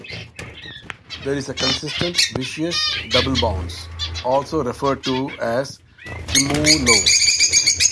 There is a consistent, vicious double bounce, also referred to as tremoulo.